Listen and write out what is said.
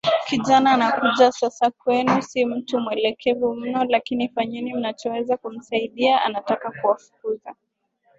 kijana anakuja sasa kwenu Si mtu mwelekevu mno lakini fanyeni mnachoweza kumsaidia anataka kuwafukuza